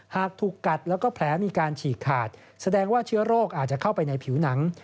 หากถูกกัดแล้วก็แผลมีการฉีกขาดแสดงว่าเชื้อโรคอาจจะเข้าไปในผิวหนัง